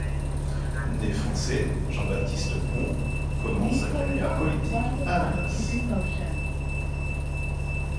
Né français, Jean-Baptiste Pons commence sa carrière politique à Annemasse.